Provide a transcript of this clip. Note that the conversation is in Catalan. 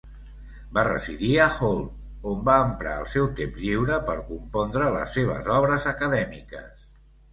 Va residir a Holt, on va emprar el seu temps lliure per compondre les seves obres acadèmiques.